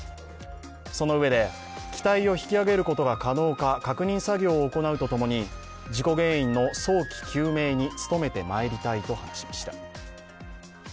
そのうえで、機体を引き揚げることが可能か確認作業を行うとともに事故原因の早期究明に努めてまいりたいと話しました。